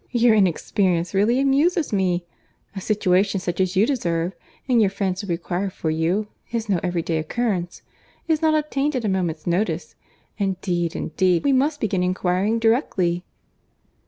Your inexperience really amuses me! A situation such as you deserve, and your friends would require for you, is no everyday occurrence, is not obtained at a moment's notice; indeed, indeed, we must begin inquiring directly."